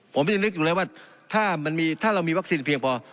ผมไม่ได้นึกอยู่เลยว่าถ้ามันมีถ้าเรามีวัคซีนเพียงพอ